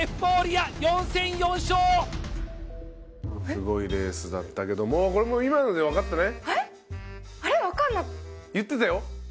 すごいレースだったけどもうこれ今ので分かったね？